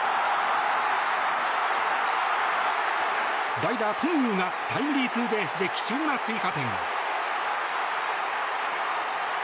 代打、頓宮がタイムリーツーベースで貴重な追加点。